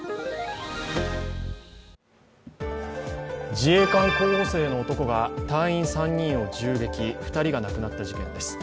自衛官候補生の男が隊員３人を銃撃、２人が亡くなった事件です。